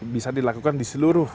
bisa dilakukan di seluruh